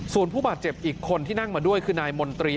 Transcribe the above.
ส่วนผู้บาดเจ็บอีกคนที่นั่งมาด้วยคือนายมนตรี